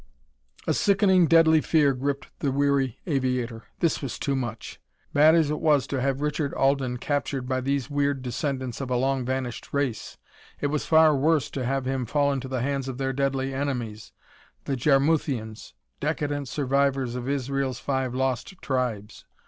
A sickening, deadly fear gripped the weary aviator. This was too much! Bad as it was to have Richard Alden captured by these weird descendants of a long vanished race, it was far worse to have him fall into the hands of their deadly enemies, the Jarmuthians, decadent survivors of Israel's Five Lost Tribes.